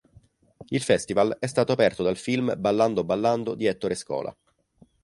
Il festival è stato aperto dal film "Ballando ballando" di Ettore Scola.